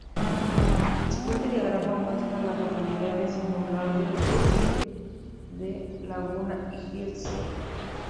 El siguiente diagrama muestra a las localidades en un radio de de Laguna Hills.